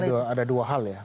jadi ini ada dua hal ya